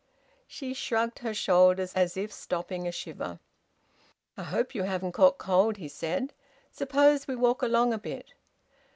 She shrugged her shoulders as if stopping a shiver. "I hope you haven't caught cold," he said. "Suppose we walk along a bit."